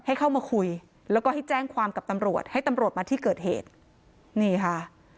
ให้เข้ามาคุยแล้วก็ให้แจ้งความกับตำรวจให้ตำรวจมาที่เกิดเหตุนี่ค่ะ